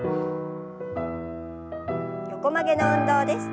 横曲げの運動です。